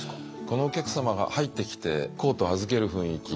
このお客様が入ってきてコートを預ける雰囲気